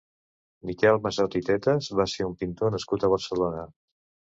Miquel Massot i Tetas va ser un pintor nascut a Barcelona.